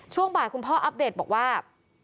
ช่วงบ่ายคุณพ่ออัปเดตบอกว่า